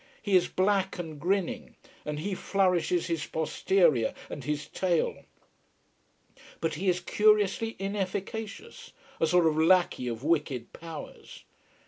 He is black and grinning, and he flourishes his posterior and his tail. But he is curiously inefficacious: a sort of lackey of wicked powers.